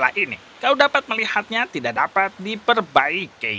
wah saya juga pernah hilang kerja costly sekali pak